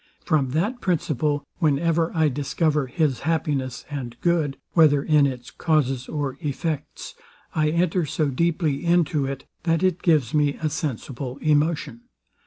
From that principle, whenever I discover his happiness and good, whether in its causes or effects, I enter so deeply into it, that it gives me a sensible emotion.